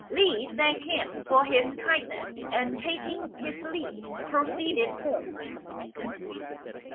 Li thanked him for his kindness, and, taking his leave, proceeded home.